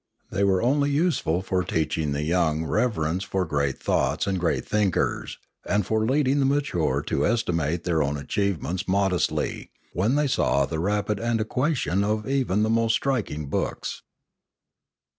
They were only useful for teach Inspiration 433 ing the young reverence for great thoughts and great thinkers, and for leading the mature to estimate their own achievements modestly, when they saw the rapid antiquation of even the most striking books.